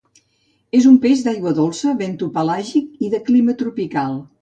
És un peix d'aigua dolça, bentopelàgic i de clima tropical.